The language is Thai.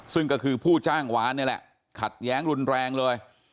ซึ่งก็คือผู้จ้างวานนี่แหละขัดแย้งรุนแรงเลย